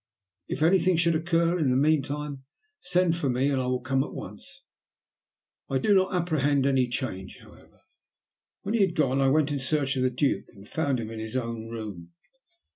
"If anything should occur in the meantime, send for me and I will come at once. I do not apprehend any change, however." When he had gone I went in search of the Duke and found him in his own room.